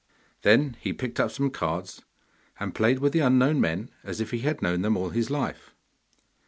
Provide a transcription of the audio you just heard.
Then he picked up some cards, and played with the unknown men as if he had known them all his life.